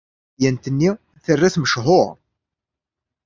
Tadyant-nni terra-t mechuṛ.